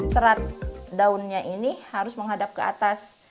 serat daunnya ini harus menghadap ke atas